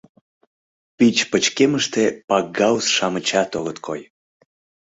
Пич пычкемыште пакгауз-шамычат огыт кой.